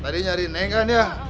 tadi nyari neng kan ya